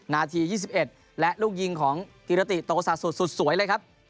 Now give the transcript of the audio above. นาทียี่สิบเอ็ดและลูกยิงของเกียรติโตศาสตร์สุดสวยเลยครับ